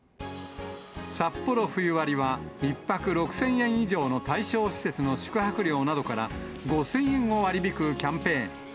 サッポロ冬割は、１泊６０００円以上の対象施設の宿泊料などから、５０００円を割り引くキャンペーン。